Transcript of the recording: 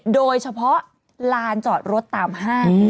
โดยเฉพาะลานจอดรถตามห้าง